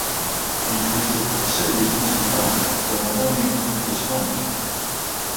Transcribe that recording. He tweeted that the series must be banned for maligning "religious harmony".